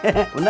ini lu tandain